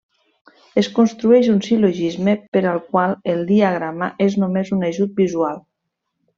Es construeix un sil·logisme, per al qual el diagrama és només un ajut visual.